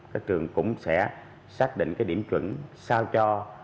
các trường cũng sẽ xác định cái điểm chuẩn sao cho cái số lượng sinh viên